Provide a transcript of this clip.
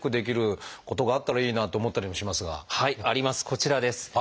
こちらです。